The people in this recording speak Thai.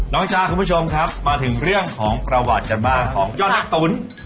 น้องจ๊ะคุณผู้ชมครับมาถึงเรื่องของประวัติจัดบ้านของย่อนแม่ตุ๋น